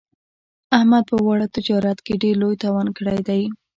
احمد په واړه تجارت کې ډېر لوی تاوان کړی دی.